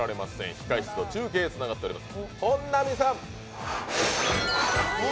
控え室と中継がつながっております。